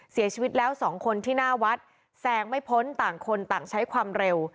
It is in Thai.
เสียชีวิตแล้วสองคนที่หน้าวัดแซงไม่พ้นต่างคนต่างใช้ความเร็ว